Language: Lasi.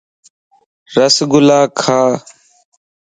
رس گُلا کا